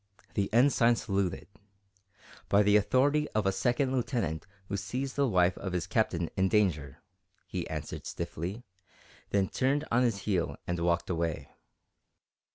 The Ensign saluted. "By the authority of a Second Lieutenant who sees the wife of his Captain in danger," he answered stiffly, then turned on his heel and walked away.